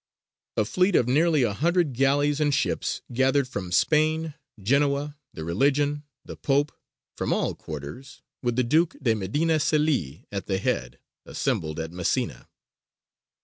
A fleet of nearly a hundred galleys and ships, gathered from Spain, Genoa, "the Religion," the Pope, from all quarters, with the Duke de Medina Celi at the head, assembled at Messina.